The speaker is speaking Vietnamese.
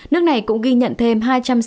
nước này cũng ghi nhận thêm